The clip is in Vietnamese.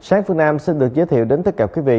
anh xin được giới thiệu đến tất cả quý vị